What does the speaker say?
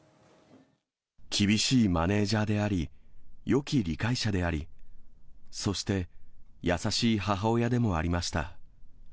厳しいマネージャーであり、よき理解者であり、そして、優しい母親でもありました。